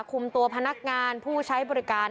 คุมตัวพนักงานผู้ใช้บริการ